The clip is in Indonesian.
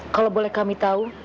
kalau boleh kami tahu